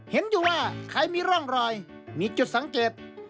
เห็นอยู่ว่าใครมีร่องรอยมีจุดสังเกต